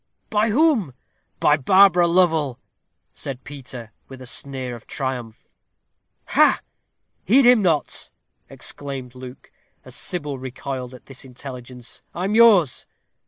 "By whom?" "By Barbara Lovel," said Peter, with a sneer of triumph. "Ha!" "Heed him not," exclaimed Luke, as Sybil recoiled at this intelligence. "I am yours."